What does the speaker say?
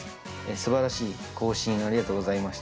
すばらしい交信ありがとうございました。